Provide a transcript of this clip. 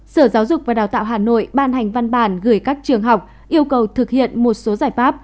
sở giáo dục và đào tạo hà nội ban hành văn bản gửi các trường học yêu cầu thực hiện một số giải pháp